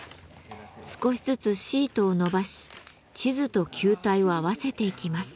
少しずつシートを伸ばし地図と球体を合わせていきます。